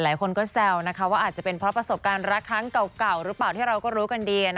หลายคนก็แซวว่าอาจจะเป็นเพราะประสบการณ์รักครั้งเก่าหรือเปล่าที่เราก็รู้กันดี